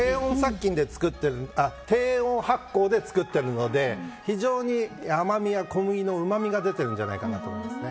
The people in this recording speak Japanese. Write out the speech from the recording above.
低温発酵で作ってるので非常に甘みや小麦のうまみが出てるんじゃないかと思います。